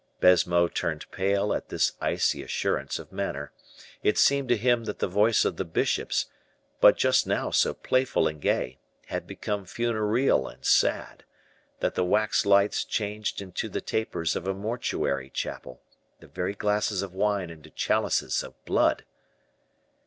Baisemeaux turned pale at this icy assurance of manner. It seemed to him that the voice of the bishop's, but just now so playful and gay, had become funereal and sad; that the wax lights changed into the tapers of a mortuary chapel, the very glasses of wine into chalices of blood.